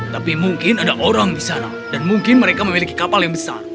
tapi mungkin ada orang di sana dan mungkin mereka memiliki kapal yang besar